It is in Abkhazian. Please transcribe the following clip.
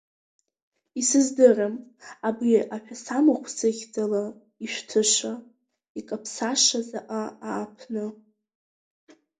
Исыздырам, абри аҳәасамахәсыхьӡала ишәҭыша, икаԥсаша заҟа ааԥны.